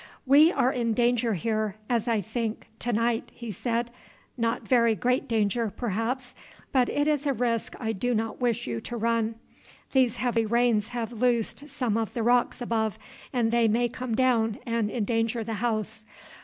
"We are in danger here, as I think, to night," he said, "not very great danger, perhaps, but it is a risk I do not wish you to run. These heavy rains have loosed some of the rocks above, and they may come down and endanger the house.